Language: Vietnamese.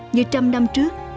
như trăm năm trước